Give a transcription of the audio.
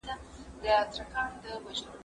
ور ښکاره یې کړې تڼاکي د لاسونو